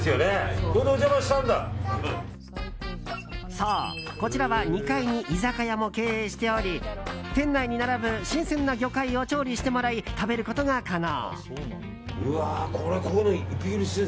そう、こちらは２階に居酒屋も経営しており店内に並ぶ新鮮な魚介を調理してもらい食べることが可能。